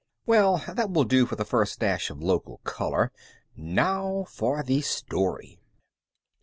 Well, that will do for the firsh dash of local color. Now for the story.